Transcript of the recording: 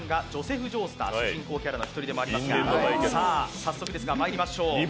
早速ですがまいりましょう。